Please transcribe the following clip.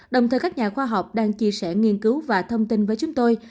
đồng thời các nhà khoa học đang chia sẻ nghiên cứu và thông tin với chúng tôi